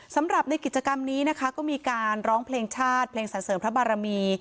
สำหรับในกิจกรรมนี้นะคะก็มีการร้องเพลงชาติเพลงสรรเสริมพระบารมี